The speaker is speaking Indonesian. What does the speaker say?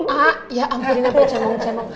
ah ya ampunin apa cemang cemang